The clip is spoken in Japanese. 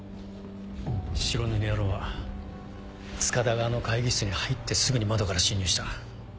白塗り野郎は塚田があの会議室に入ってすぐに窓から侵入した。